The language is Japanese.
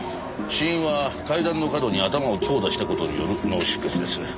死因は階段の角に頭を強打した事による脳出血です。